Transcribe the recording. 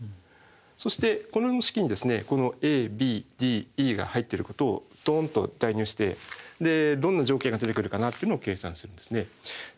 そしてこの式にこのＡＢＤＥが入ってることをドンと代入してどんな条件が出てくるかなっていうのを計算するんですね。